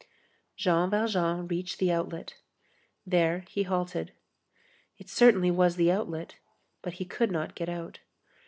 Jean Valjean reached the outlet. There he halted. It certainly was the outlet, but he could not get out.